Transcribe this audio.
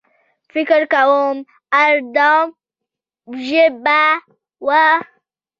فکر کوم اردو ژبۍ و.